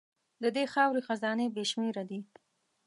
د دې خاورې خزانې بې شمېره دي.